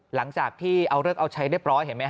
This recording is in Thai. หลังจากที่เอาเลิกเอาใช้ได้แล้ว